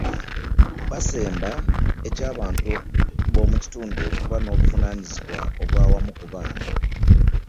Baasemba eky’abantu b’omu kitundu okuba n’obuvunaanyizibwa obwawamu ku baana.